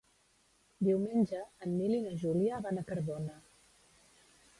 Diumenge en Nil i na Júlia van a Cardona.